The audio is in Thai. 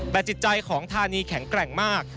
แต่จิตใจของธานีแข็งแกร่งมาก